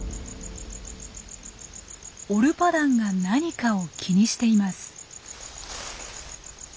オルパダンが何かを気にしています。